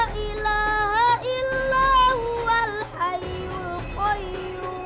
sekarang diinjak injak martabatnya